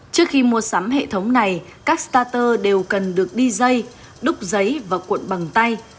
trước khi mua sắm hệ thống này các starter đều cần được đi dây đúc giấy và cuộn bằng tay